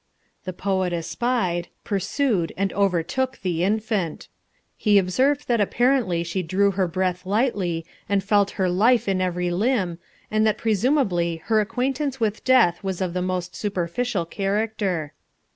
The poet espied, pursued and overtook the infant. He observed that apparently she drew her breath lightly and felt her life in every limb, and that presumably her acquaintance with death was of the most superficial character.